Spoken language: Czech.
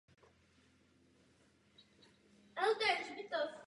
Oproti tomu reaktivita jednotlivých členů obvykle zůstává stejná.